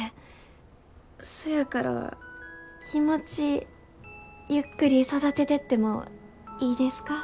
そやから気持ちゆっくり育ててってもいいですか？